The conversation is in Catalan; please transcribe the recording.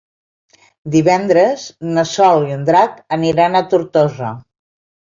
Divendres na Sol i en Drac aniran a Tortosa.